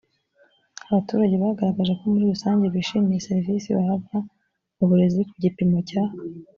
abaturage bagaragaje ko muri rusange bishimiye serivisi bahabwa mu burezi ku gipimo cya